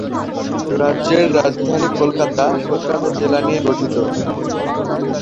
রাজ্যের রাজধানী কলকাতা কলকাতা জেলা নিয়ে গঠিত।